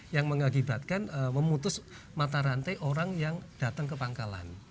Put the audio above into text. yang mengakibatkan memutus mata rantai orang yang datang ke pangkalan